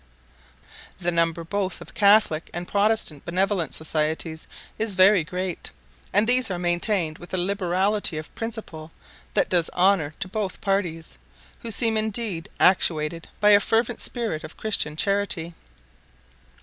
The number both of Catholic and Protestant benevolent societies is very great, and these are maintained with a liberality of principle that does honour to both parties, who seem indeed actuated by a fervent spirit of Christian charity.